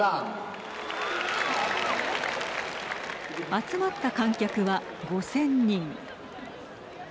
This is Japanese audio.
集まった観客は５０００人。